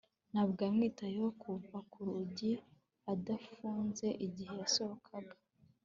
ntabwo yamwitayeho kuva ku rugi adafunze igihe yasohokaga